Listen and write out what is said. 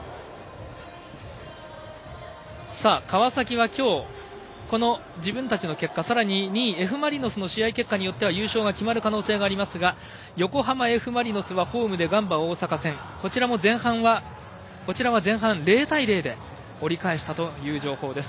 川崎はきょう、自分たちの結果さらに２位Ｆ・マリノスの結果によっては優勝が決まる可能性がありますが横浜Ｆ・マリノスはホームでガンバ大阪戦、こちらも前半は０対０で折り返したという情報です。